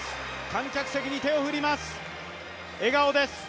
観客席に手を振ります。